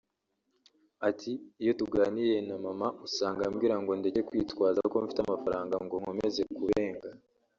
Ati “Iyo tuganiriye na mama usanga ambwira ngo ndeke kwitwaza ko mfite amafaranga ngo nkomeze kubenga